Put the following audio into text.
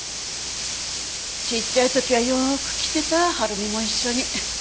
ちっちゃい時はよく来てた晴美も一緒に。